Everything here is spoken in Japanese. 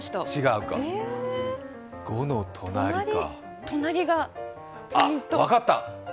５の隣か。